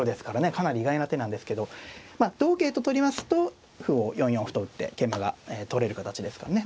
かなり意外な手なんですけど同桂と取りますと歩を４四歩と打って桂馬が取れる形ですからね